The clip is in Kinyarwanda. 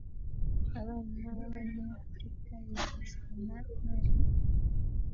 Abana b'Abanyafrika bigishwa na mwarimu